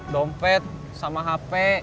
dompet sama hp